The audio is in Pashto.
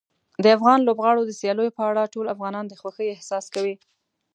د افغان لوبغاړو د سیالیو په اړه ټول افغانان د خوښۍ احساس کوي.